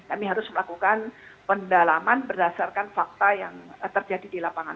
kami harus melakukan pendalaman berdasarkan fakta yang terjadi di lapangan